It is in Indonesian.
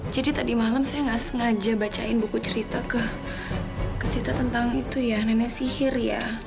jadi tadi malem saya nggak sengaja bacain buku cerita ke sita tentang itu ya nenek sihir ya